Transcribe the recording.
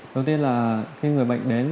đầu tiên là khi người bệnh đến